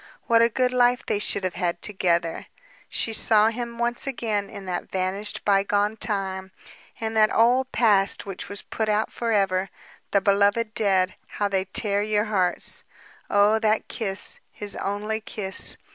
What a good life they should have lived together! She saw him once again in that vanished bygone time, in that old past which was put out forever. The beloved dead how they tear your hearts! Oh, that kiss, his only kiss!